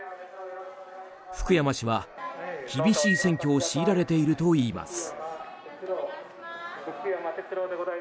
福山氏は厳しい選挙を強いられているといいます。